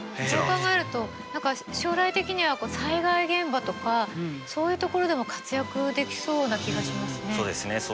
そう考えると何か将来的には災害現場とかそういう所でも活躍できそうな気がしますね。